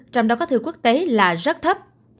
trong đó có thư quốc tế là rất thấp